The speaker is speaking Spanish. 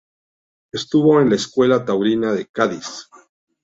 Estuvo en la Escuela Taurina de Cádiz.